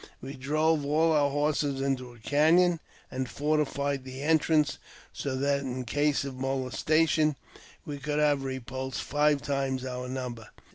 ' We drove all our horses into a canon, and fortified the entrance, so that, in case of molestation, we could have repulsed five times our number.